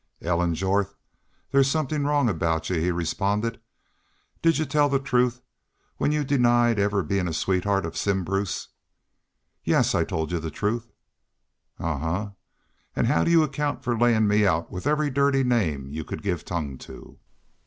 "Ellen Jorth, there's somethin' wrong aboot y'u," he responded. "Did y'u tell the truth when y'u denied ever bein' a sweetheart of Simm Bruce?" "Yes, I told y'u the truth." "Ahuh! An' how do y'u account for layin' me out with every dirty name y'u could give tongue to?"